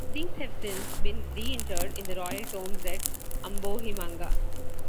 These have since been re-interred in the royal tombs at Ambohimanga.